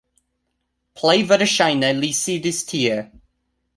Plej verŝajne li sidis tie